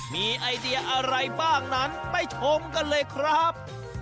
มีไอเดียอะไรบ้างนั้นไปชมกันเลยครับ